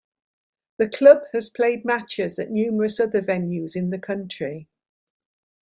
The club has played matches at numerous other venues in the county.